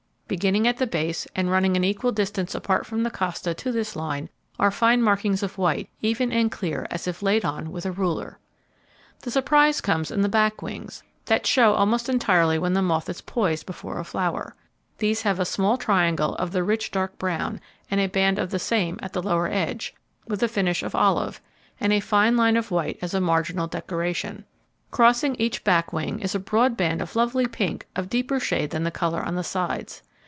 Beginning at the base, and running an equal distance apart from the costa to this line, are fine markings of white, even and clear as if laid on with a ruler. The surprise comes in the back wings, that show almost entirely when the moth is poised before a flower. These have a small triangle of the rich dark brown, and a band of the same at the lower edge, with a finish of olive, and a fine line of white as a marginal decoration. Crossing each back wing is a broad band of lovely pink of deeper shade than the colour on the sides.